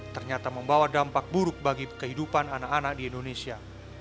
ternyata membawa dampak buruk bagi kehidupan anak anak di indonesia